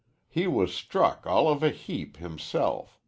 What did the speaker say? He was struck all of a heap himself.